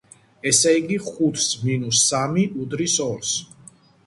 ესე იგი, ხუთს მინუს სამი უდრის ორს.